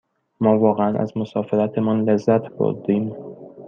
ما واقعاً از مسافرتمان لذت بردیم.